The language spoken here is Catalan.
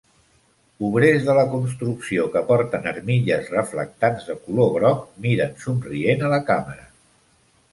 Obrers de la construcció que porten armilles reflectants de color groc miren somrient a la càmera.